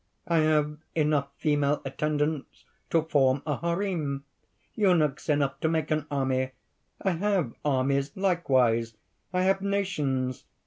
I have enough female attendants to form a harem, eunuchs enough to make an army. I have armies likewise; I have nations!